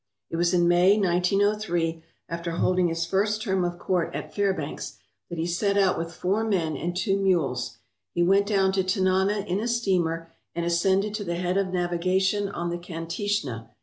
It was in May, 1903, after holding his first term of court at Fairbanks, that he set out with four men and two mules. He went down to Tanana in a steamer and ascended to the head of navigation on the Kantishna.